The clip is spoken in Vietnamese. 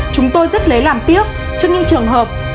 chúng tôi rất lấy làm tiếc trước những trường hợp